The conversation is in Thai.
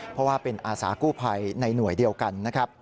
เพราะว่าเป็นอาสากู้ไพในหน่วยเดียวกัน